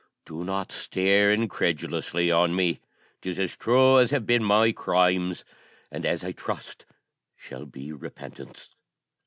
Do not stare incredulously on me 'tis as true as have been my crimes, and as, I trust, shall be repentance.